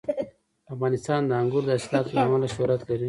افغانستان د انګورو د حاصلاتو له امله شهرت لري.